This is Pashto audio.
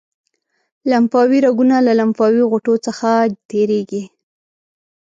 لمفاوي رګونه له لمفاوي غوټو څخه تیریږي.